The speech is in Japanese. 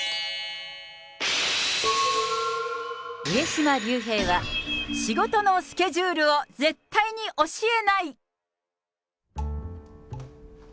上島竜兵は、仕事のスケジュールを絶対に教えない。